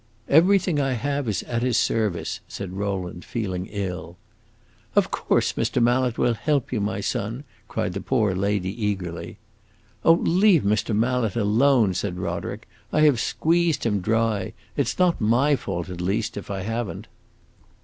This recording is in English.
"Everything I have is at his service," said Rowland, feeling ill. "Of course Mr. Mallet will help you, my son!" cried the poor lady, eagerly. "Oh, leave Mr. Mallet alone!" said Roderick. "I have squeezed him dry; it 's not my fault, at least, if I have n't!"